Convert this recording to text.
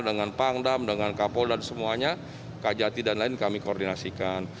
dengan pangdam dengan kapol dan semuanya kajati dan lain kami koordinasikan